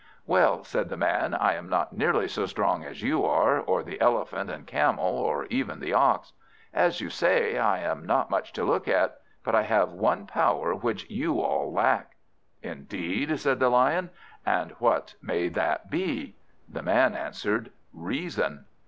"Well," said the Man, "I am not nearly so strong as you are, or the Elephant and Camel, or even the Ox. As you say, I am not much to look at, but I have one power which you all lack." "Indeed," said the Lion, "and what may that be?" The Man answered, "Reason."